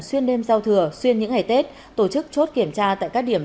xuyên đêm giao thừa xuyên những ngày tết tổ chức chốt kiểm tra tại các điểm